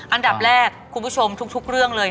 อันดับแรกคุณผู้ชมทุกเรื่องเลย